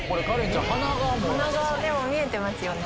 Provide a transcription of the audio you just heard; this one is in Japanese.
鼻が見えてますよね。